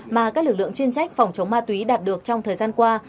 mà các lực lượng chuyên trách phòng chống ma túy đạt được trong thời gian qua